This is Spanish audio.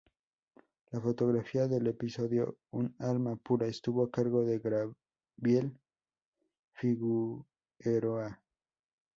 La fotografía del episodio "Un alma pura" estuvo a cargo de Gabriel Figueroa.